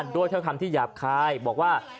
ด้วยเท่าคำที่หยาบคายบอกว่า